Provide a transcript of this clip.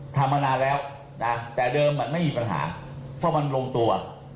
ทำมานานแล้วนะแต่เดิมมันไม่มีปัญหาเพราะมันลงตัว